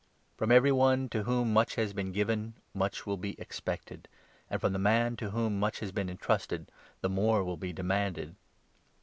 From every one to whom much has been given much will be expected, and from the man to whom much has been entrusted the more will be demanded.